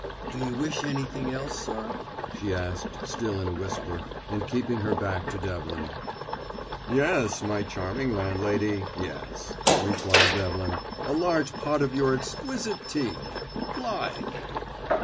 "Do you wish anything else, sir?" she asked, still in a whisper, and keeping her back to Devlin. "Yes, my charming landlady, yes," replied Devlin, "A large pot of your exquisite tea. Fly!"